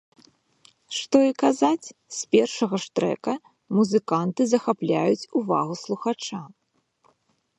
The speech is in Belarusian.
Што і казаць, з першага ж трэка музыканты захапляюць увагу слухача.